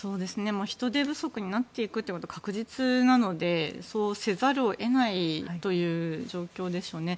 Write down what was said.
人手不足になっていくことは確実なのでそうせざるを得ないという状況でしょうね。